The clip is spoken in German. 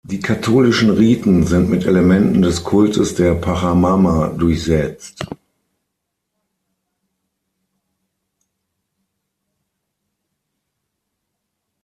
Die katholischen Riten sind mit Elementen des Kultes der Pachamama durchsetzt.